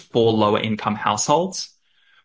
untuk rumah tangga yang rendah